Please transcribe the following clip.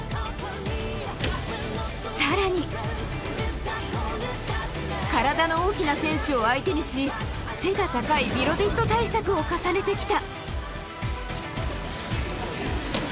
更に、体の大きな選手を相手にし背が高いビロディッド対策を重ねてきた。